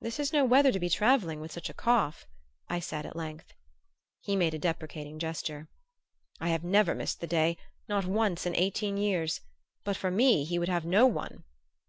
"This is no weather to be travelling with such a cough," I said at length. He made a deprecating gesture. "I have never missed the day not once in eighteen years. But for me he would have no one!"